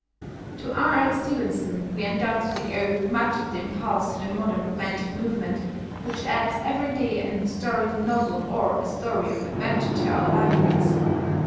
To R. L. Stevenson we undoubtedly owe much of the impulse to the modern romantic movement, which adds every day an historical novel or a story of adventure to our libraries.